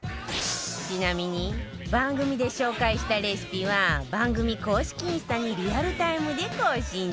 ちなみに番組で紹介したレシピは番組公式インスタにリアルタイムで更新中